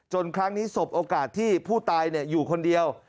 ครั้งนี้สบโอกาสที่ผู้ตายอยู่คนเดียว